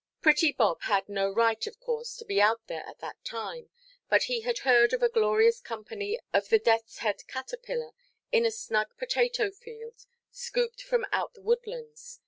Pretty Bob had no right, of course, to be out there at that time; but he had heard of a glorious company of the deathʼs–head caterpillar, in a snug potato–field, scooped from out the woodlands.